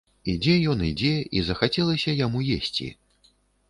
Ідзе ён, ідзе, і захацелася яму есці.